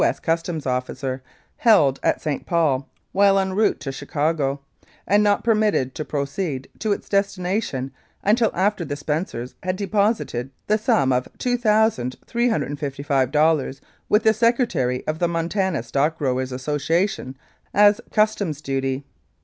S. Custom officers, held at St. Paul while en route to Chicago, and not permitted to proceed to its destina tion until after the Spencers had deposited the sum of $2,355 with tne Secretary of the Montana Stock Growers' Association as Customs duty.